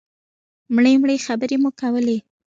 مړې مړې خبرې مو کولې.